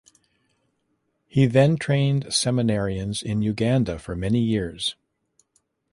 He then trained seminarians in Uganda for many years.